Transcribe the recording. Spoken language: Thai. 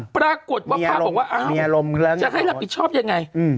ปรากฏว่าพระบอกว่าอ้าวจะให้รับผิดชอบยังไง